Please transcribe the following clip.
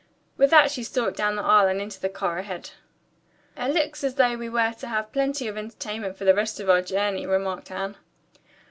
With that she stalked down the aisle and into the car ahead. "It looks as though we were to have plenty of entertainment for the rest of our journey," remarked Anne.